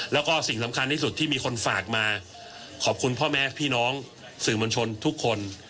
แล้วก็สิ่งสำคัญที่สุดที่มีคนฝากมาขอบคุณพ่อแม่พี่น้องสื่อมวลชนทุกคน